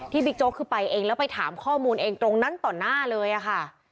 บิ๊กโจ๊กคือไปเองแล้วไปถามข้อมูลเองตรงนั้นต่อหน้าเลยค่ะ